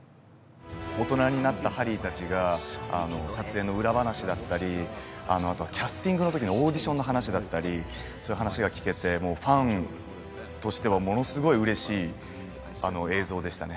大人になったハリー達が撮影の裏話だったりあとキャスティングのときのオーディションの話だったりそういう話が聞けてファンとしてはものすごい嬉しい映像でしたね